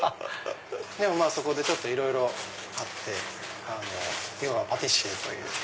そこでいろいろあって今はパティシエという。